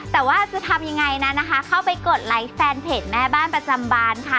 แต่ว่าจะทำยังไงนั้นนะคะเข้าไปกดไลค์แฟนเพจแม่บ้านประจำบานค่ะ